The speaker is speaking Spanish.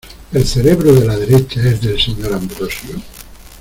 ¿El cerebro de la derecha es el del señor Ambrosio?